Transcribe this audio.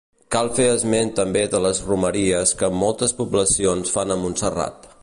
Cal fer esment també de les romeries que moltes poblacions fan a Montserrat.